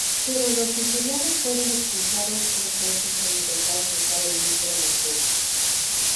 Pero los nigerianos fueron expulsados tres veces al intentar cruzar el Níger en octubre.